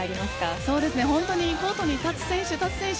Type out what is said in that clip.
本当にコートに立つ選手